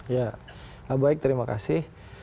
ya baik terima kasih